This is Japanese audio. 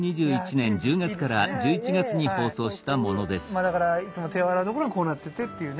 まあだからいつも手を洗うところがこうなっててっていうね。